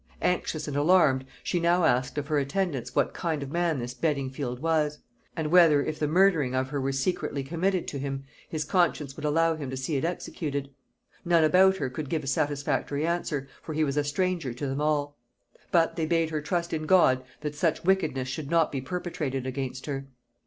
Anxious and alarmed, she now asked of her attendants what kind of man this Beddingfield was; and whether, if the murdering of her were secretly committed to him, his conscience would allow him to see it executed? None about her could give a satisfactory answer, for he was a stranger to them all; but they bade her trust in God that such wickedness should not be perpetrated against her.